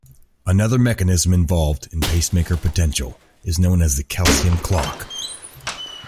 Another mechanism involved in pacemaker potential is known as the calcium clock.